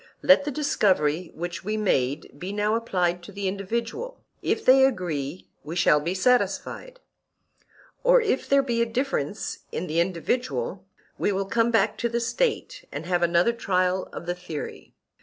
Let the discovery which we made be now applied to the individual—if they agree, we shall be satisfied; or, if there be a difference in the individual, we will come back to the State and have another trial of the theory.